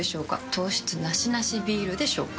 糖質ナシナシビールでしょうか？